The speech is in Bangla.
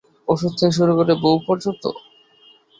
ঔষধ থেকে শুরু করে, বউ পর্যন্ত।